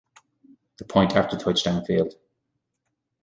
The point after touchdown failed.